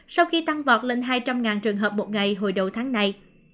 sau khi tăng vọt lên hai trăm linh trường hợp một ngày hồi đầu tháng này